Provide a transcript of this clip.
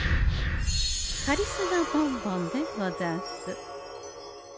カリスマボンボンでござんす。